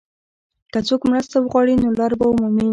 که څوک مرسته وغواړي، نو لار به ومومي.